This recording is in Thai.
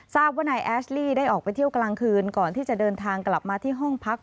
ทราบว่านายแอสลี่ได้ออกไปเที่ยวกลางคืนก่อนที่จะเดินทางกลับมาที่ห้องพัก